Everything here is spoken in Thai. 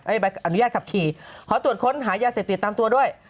ใบอนุญาตขับขี่ขอตรวจค้นหายาเสพติดตามตัวด้วย